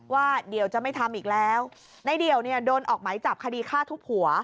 ว่าเดี๋ยวจะไม่ทำอีกแล้วในเดี่ยวเนี่ยโดนออกไหมจับคดีฆ่าทุบหัว